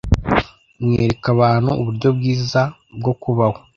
Mwereke abantu uburyo bwiza bwo kubaho